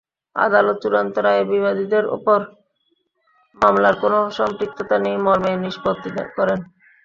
আদালত চূড়ান্ত রায়ে বিবাদীদের ওই মামলায় কোনো সম্পৃক্ততা নেই মর্মে নিষ্পত্তি করেন।